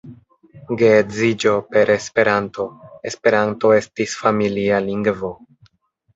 Geedziĝo per Esperanto; Esperanto estis familia lingvo.